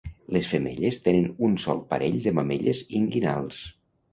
Les femelles tenen un sol parell de mamelles inguinals.